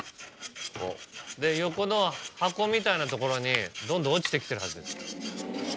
横の箱みたいなところにどんどん落ちてきてるはずです。